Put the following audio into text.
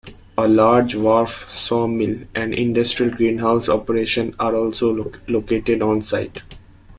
A large wharf, sawmill and industrial greenhouse operation are also located on site.